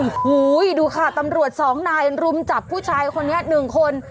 โอ้โหดูค่ะตำรวจสองนายรุมจับผู้ชายคนนี้๑คน